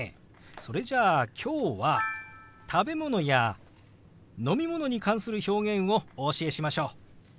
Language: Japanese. それじゃあ今日は食べ物や飲み物に関する表現をお教えしましょう！